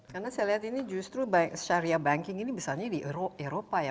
karena saya lihat ini justru bank syariah banking ini biasanya di eropa ya